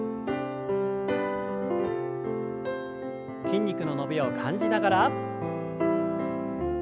筋肉の伸びを感じながら。